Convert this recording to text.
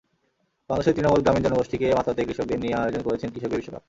বাংলাদেশের তৃণমূল গ্রামীণ জনগোষ্ঠীকে মাতাতে কৃষকদের নিয়ে আয়োজন করেছেন কৃষকের বিশ্বকাপ।